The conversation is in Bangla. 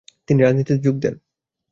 তিনি রাজনীতিতে যোগ দেন।